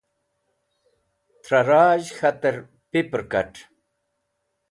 thra rajh k̃ater piper kat